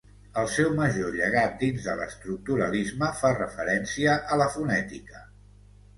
El seu major llegat dins de l'estructuralisme fa referència a la fonètica.